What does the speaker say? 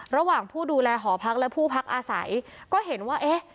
ระหว่างผู้ดูแลหอพักและผู้พักอาศัยก็เห็นว่าเอ๊ะ